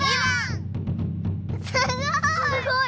すごい！